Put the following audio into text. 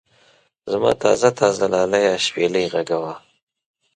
زما تازه تازه لاليه شپېلۍ غږونه.